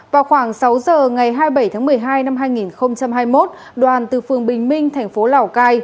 vào khoảng sáu giờ ngày hai mươi bảy tháng một mươi hai năm hai nghìn hai mươi một đoàn từ phường bình minh thành phố lào cai